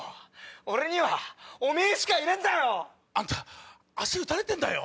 俺にはおめぇしかいねえんだよ‼あんた足撃たれてんだよ？